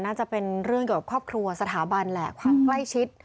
น่าจะเป็นเรื่องเกี่ยวกับครอบครัวสถาบันแหละความใกล้ชิด